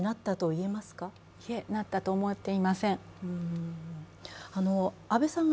いえ、なったと思っていません。